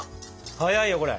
早いよこれ！